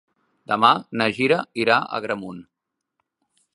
Demà na Gina irà a Agramunt.